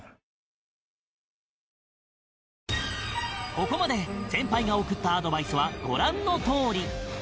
ここまで先輩が送ったアドバイスはご覧のとおり